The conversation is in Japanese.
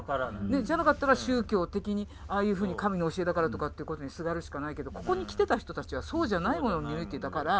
ねじゃなかったら宗教的にああいうふうに神の教えだからとかっていうことにすがるしかないけどここに来てた人たちはそうじゃないものを見抜いていたから。